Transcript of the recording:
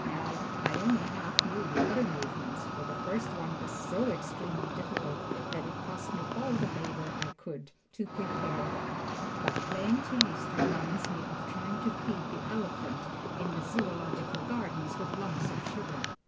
Now, I only half knew the other movements, for the first one was so extremely difficult that it cost me all the labor I could give to prepare that. But playing to Liszt reminds me of trying to feed the elephant in the Zoological Garden with lumps of sugar.